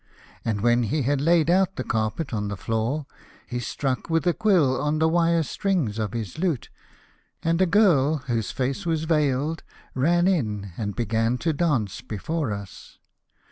And when he had laid out the carpet on the floor, he struck with a quill on the wire strings of his lute, and a girl whose face was veiled ran in and began to dance before us.